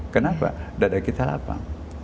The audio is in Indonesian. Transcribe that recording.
kenapa dada kita lapang